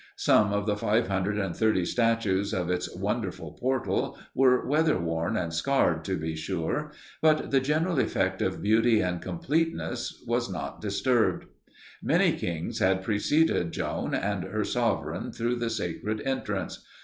Some of the five hundred and thirty statues of its wonderful portal were weatherworn and scarred, to be sure, but the general effect of beauty and completeness was not disturbed. Many kings had preceded Joan and her sovereign through the sacred entrance.